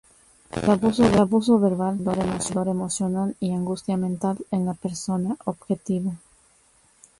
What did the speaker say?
El abuso verbal crea dolor emocional y angustia mental en la persona objetivo.